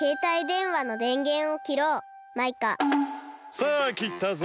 さあきったぞ。